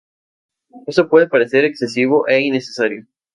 Esto puede parecer excesivo e innecesario.